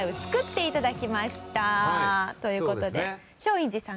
という事で松陰寺さんから。